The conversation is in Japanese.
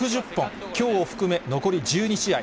きょうを含め残り１２試合。